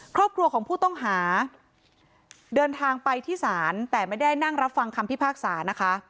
ครอบครัวของผู้ต้องหาเดินทางไปที่ศาลแต่ไม่ได้นั่งรับฟังคำพิพากษานะคะ